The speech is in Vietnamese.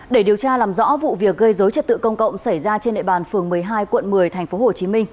để điều tra làm rõ vụ việc gây dối trật tự công cộng xảy ra trên địa bàn phường một mươi hai quận một mươi tp hcm